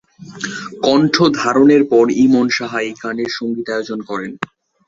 কণ্ঠ ধারণের পর ইমন সাহা এই গানের সঙ্গীতায়োজন করেন।